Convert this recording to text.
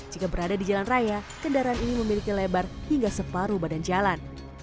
jika berada di jalan raya kendaraan ini memiliki lebar hingga separuh badan jalan